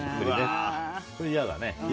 これ嫌だね。